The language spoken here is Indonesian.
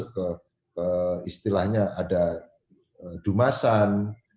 kita masuk ke istilahnya ada dumasan